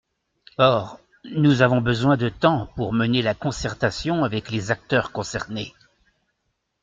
Or, nous avons besoin de temps pour mener la concertation avec les acteurs concernés.